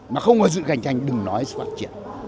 mà không có sự cạnh tranh đừng nói sự phát triển